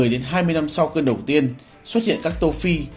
một mươi đến hai mươi năm sau cơn đầu tiên xuất hiện các tô phi